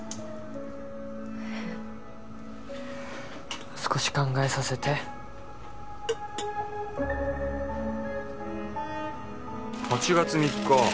えっ少し考えさせて８月３日？